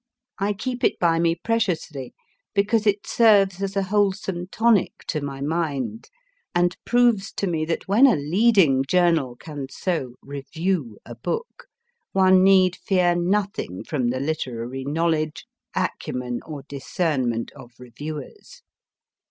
I keep it by me preciously, because it serves as a wholesome tonic to my mind, and proves to me that when a leading journal can so review a book, one need fear nothing from the literary knowledge, acumen, or discernment of reviewers.